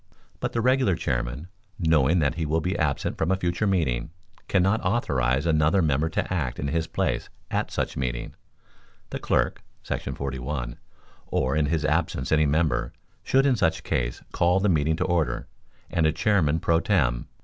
But the regular chairman, knowing that he will be absent from a future meeting, cannot authorize another member to act in his place at such meeting; the clerk [§ 41], or in his absence any member, should in such case call the meeting to order, and a chairman pro tem.